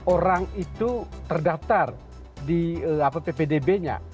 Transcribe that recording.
orang itu terdaftar di ppdb nya